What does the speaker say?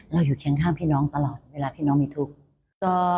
อยู่เคียงข้างพี่น้องตลอดเวลาพี่น้องมีทุกข์